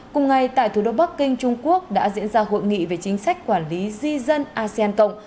cùng ngày tại thủ đô bắc kinh trung quốc đã diễn ra hội nghị về chính sách quản lý di dân asean cộng